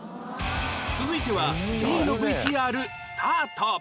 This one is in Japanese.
続いては Ｂ の ＶＴＲ スタート